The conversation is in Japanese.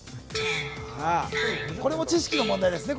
これも知識の問題ですね。